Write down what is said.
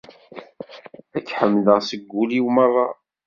Ad k-ḥemdeɣ seg wul-iw merra.